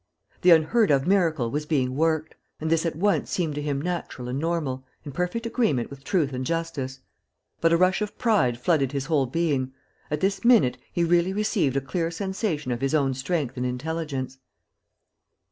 The unheard of miracle was being worked; and this at once seemed to him natural and normal, in perfect agreement with truth and justice. But a rush of pride flooded his whole being. At this minute he really received a clear sensation of his own strength and intelligence.